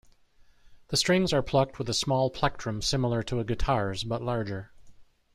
The strings are plucked with a small plectrum similar to a guitar's but larger.